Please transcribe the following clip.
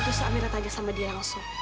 terus amira tanya sama dia langsung